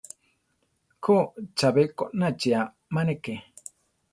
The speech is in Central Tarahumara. Ko, chabé konachi amáneke.